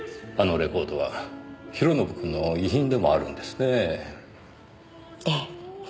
あのレコードは弘信くんの遺品でもあるんですねぇ。ええ。